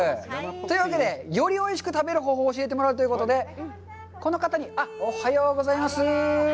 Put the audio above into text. というわけで、よりおいしく食べる方法を教えてもらうということで、この方に、おはようございます。